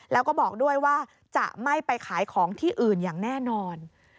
แล้วก็บอกด้วยว่าจะไม่ไปขายของที่อื่นอย่างแน่นอน